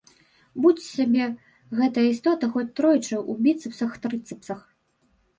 Будзь сабе гэтая істота хоць тройчы ў біцэпсах-трыцэпсах.